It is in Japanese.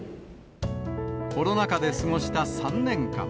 コロナ禍で過ごした３年間。